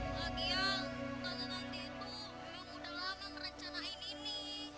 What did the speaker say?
lagi ya tanda nanti tuh memang udah lama merencanain ini